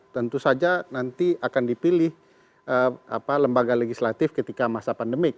tentu saja nanti akan dipilih lembaga legislatif ketika masa pandemik